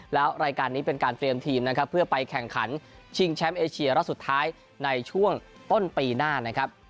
แล้วรายการนี้เป็นการเตรียมทีมนะครับเพื่อไปแข่งขันชิงแชมป์เอเชียรอบสุดท้ายในช่วงต้นปีหน้านะครับ